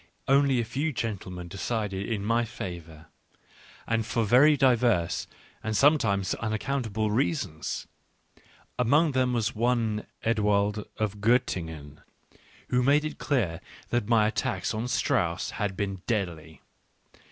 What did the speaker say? Only a few old gentlemen decided in my favour, and for very diverse and sometimes unaccountable reasons. Among them was one, Ewald of Gottingen, who made it clear that my attack on Strauss had been deadly.